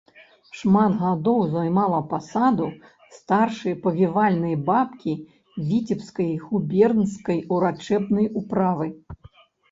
Шмат гадоў займала пасаду старшай павівальнай бабкі віцебскай губернскай урачэбнай управы.